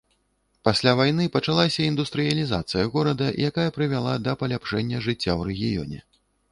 Пасля вайны пачалася індустрыялізацыя горада, якая прывяла да паляпшэння жыцця ў рэгіёне.